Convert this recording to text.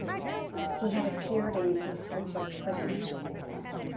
He had appeared in "A Sleep of Prisoners".